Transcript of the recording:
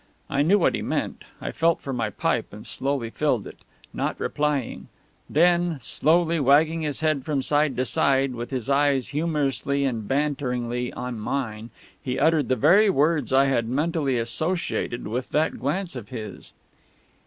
I knew what he meant. I felt for my pipe and slowly filled it, not replying. Then, slowly wagging his head from side to side, with his eyes humorously and banteringly on mine, he uttered the very words I had mentally associated with that glance of his.